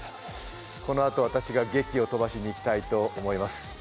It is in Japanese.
このあと私が檄を飛ばしにいきたいと思います